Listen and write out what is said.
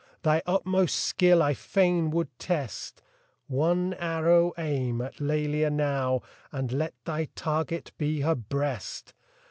Thy utmost skill I fain would test ; One arrow aim at Lelia now, And let thy target be her breast